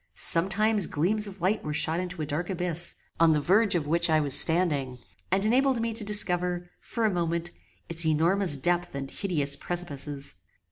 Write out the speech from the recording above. Sometimes gleams of light were shot into a dark abyss, on the verge of which I was standing, and enabled me to discover, for a moment, its enormous depth and hideous precipices.